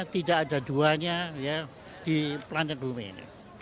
tidak ada duanya di planet bumi ini